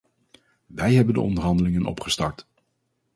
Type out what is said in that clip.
Wij hebben de onderhandelingen opgestart.